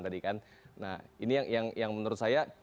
nah ini yang menurut saya